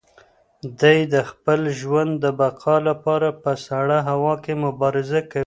دی د خپل ژوند د بقا لپاره په سړه هوا کې مبارزه کوي.